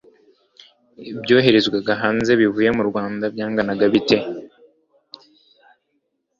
ibyoherezwaga hanze bivuye mu rwanda byanganaga bite